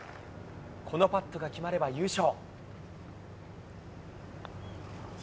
このパットが決まれば優勝。